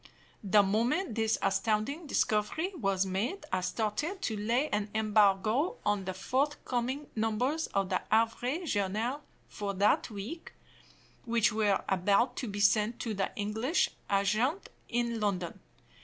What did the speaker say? The moment this astounding discovery was made, I started to lay an embargo on the forthcoming numbers of the Havre Journal for that week, which were about to be sent to the English agent in London.